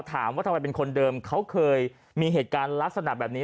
ถามว่าทำไมเป็นคนเดิมเขาเคยมีเหตุการณ์ลักษณะแบบนี้